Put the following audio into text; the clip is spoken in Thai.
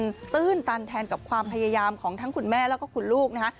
มันตื้นตันแทนกับความพยายามของทั้งคุณแม่แล้วก็คุณลูกนะฮะ